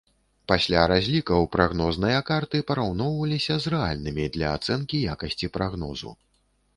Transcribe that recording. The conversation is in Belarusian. Пасля разлікаў прагнозныя карты параўноўваліся з рэальнымі для ацэнкі якасці прагнозу.